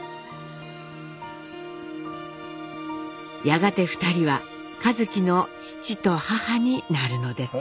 やがて２人は一輝の父と母になるのです。